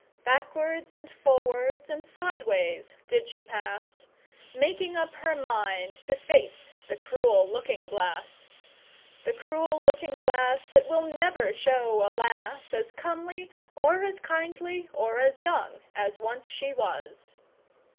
Backwards and forwards and sideways did she pass, Making up her mind to face the cruel looking glass. The cruel looking glass that will never show a lass As comely or as kindly or as young as once she was!